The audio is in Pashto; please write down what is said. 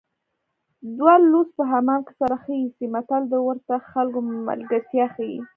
دوه لوڅ په حمام کې سره ښه ایسي متل د ورته خلکو ملګرتیا ښيي